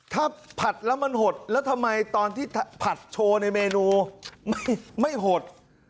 ถ้าผัดแล้วมันหดแล้วทำไมตอนที่ผัดโชว์ในเมนูไม่หด